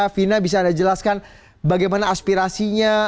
vina bisa anda jelaskan bagaimana aspirasinya